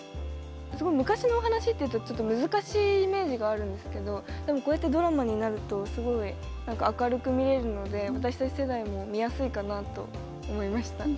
すごい昔のお話っていうとちょっと難しいイメージがあるんですけどでも、こうやってドラマになるとすごい明るく見れるので私たち世代も見やすいかなと思いました。